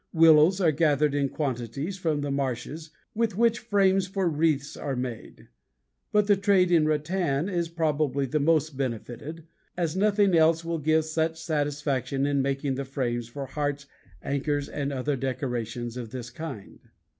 Willows are gathered in quantities from the marshes with which frames for wreaths are made, but the trade in rattan is probably the most benefited, as nothing else will give such satisfaction in making the frames for hearts, anchors, and other decorations of this kind.